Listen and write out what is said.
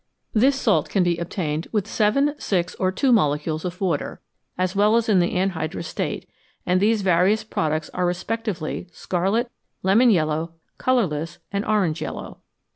This salt can be obtained with seven, six, or two molecules of water, as well as in the anhydrous state, and these various products are respectively scarlet, lemon yellow, colourless, and orange yellow.